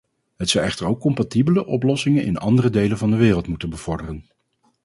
Het zou echter ook compatibele oplossingen in andere delen van de wereld moeten bevorderen.